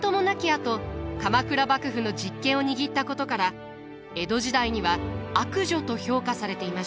あと鎌倉幕府の実権を握ったことから江戸時代には悪女と評価されていました。